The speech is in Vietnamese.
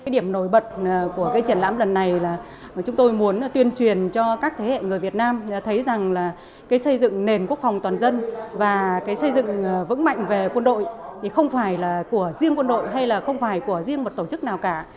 điểm nổi bật của triển lãm lần này là chúng tôi muốn tuyên truyền cho các thế hệ người việt nam thấy rằng xây dựng nền quốc phòng toàn dân và xây dựng vững mạnh về quân đội không phải là của riêng quân đội hay là không phải của riêng một tổ chức nào cả